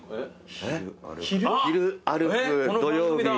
昼歩く土曜日。